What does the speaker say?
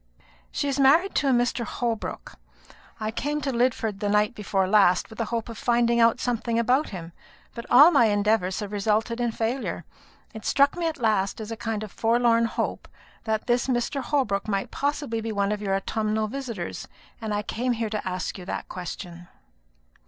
"She is married to a Mr. Holbrook. I came to Lidford the night before last, with the hope of finding out something about him; but all my endeavours have resulted in failure. It struck me at last, as a kind of forlorn hope, that this Mr. Holbrook might possibly be one of your autumnal visitors; and I came here to ask you that question."